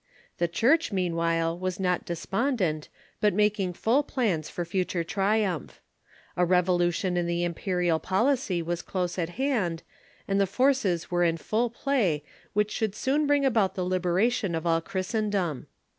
The Church, meanwhile, was not despondent, but making full plans for future triumph. A revolution in the imperial pol icy was close at hand, and the forces were in full play which should soon bring about the liberation of all Christendom.